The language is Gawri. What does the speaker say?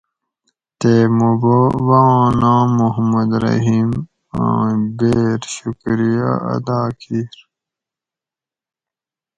تے موں بب آں ناۤ محمد رحیم آں بَیر شکریہ ادا کیر